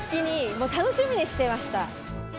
もう楽しみにしてました。